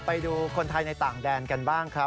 ไปดูคนไทยในต่างแดนกันบ้างครับ